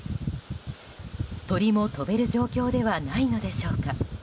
鳥も飛べる状況ではないのでしょうか。